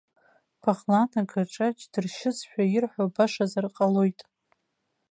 Баӷлан агаҿаҿ дыршьызшәа ирҳәо башазар ҟалоит.